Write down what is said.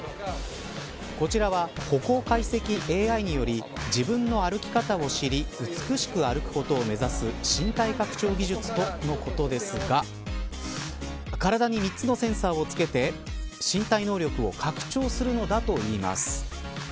こちらは歩行解析ＡＩにより自分の歩き方を知り美しく歩くことを目指す身体拡張技術とのことですが体に３つのセンサーをつけて身体能力を拡張するのだといいます。